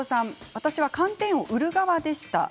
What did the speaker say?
私は寒天を売る側でした。